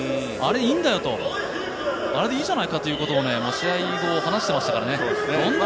あれ、いいんだよと、あれでいいじゃないかと試合後話してましたからね。